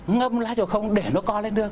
ngâm lá chầu không để nó co lên được